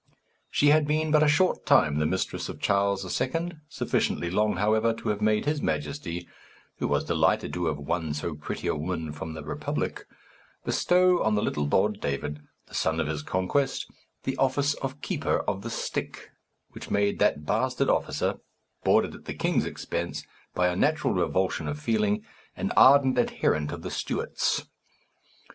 She had been but a short time the mistress of Charles II., sufficiently long however to have made his Majesty who was delighted to have won so pretty a woman from the republic bestow on the little Lord David, the son of his conquest, the office of keeper of the stick, which made that bastard officer, boarded at the king's expense, by a natural revulsion of feeling, an ardent adherent of the Stuarts.